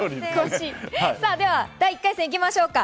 では第１回戦、行きましょうか。